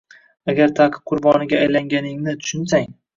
Agar ta’qib qurboniga aylanganingni tushunsang